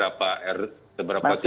untuk bisa melakukan booster